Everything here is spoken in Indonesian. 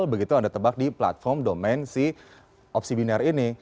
begitu anda tebak di platform domen si opsi binar ini